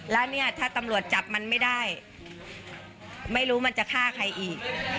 แล้วเนี่ยถ้าตำรวจจับมันไม่ได้ไม่รู้มันจะฆ่าใครอีก